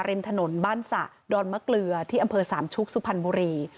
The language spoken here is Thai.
ริมถนนบ้านสะดอนมะเกลือที่อำเภอสามชุกสุพรรณบุรี